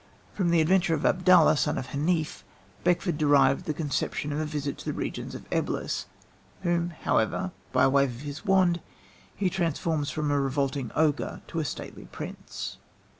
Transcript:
From The Adventure of Abdallah, Son of Hanif, Beckford derived the conception of a visit to the regions of Eblis, whom, however, by a wave of his wand, he transforms from a revolting ogre to a stately prince.